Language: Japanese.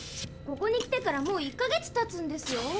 ここに来てからもう１か月たつんですよ。